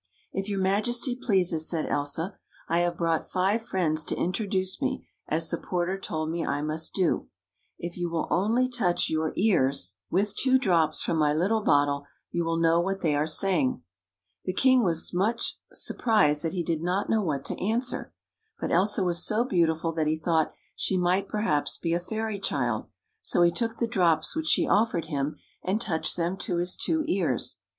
" If your Majesty pleases," said Elsa, " I have brought five friends to introduce me, as the porter told me I must do. If you will only touch your 102 "I have brought five friends to introduce me" Page 102 . THE FOREST FULL OF FRIENDS ears with two drops from my little bottle, you will know what they are saying." The king was so much surprised that he did not know what to answer. But Elsa was so beautiful' that he thought she might perhaps be a fairy child, so he took the drops which she offered him, and touched them to his two ears.